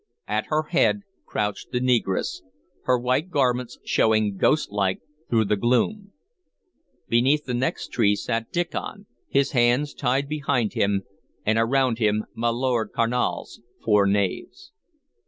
At her head crouched the negress, her white garments showing ghostlike through the gloom. Beneath the next tree sat Diccon, his hands tied behind him, and around him my Lord Carnal's four knaves.